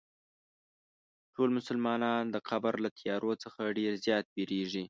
ټول مسلمانان د قبر له تیارو څخه ډېر زیات وېرېږي.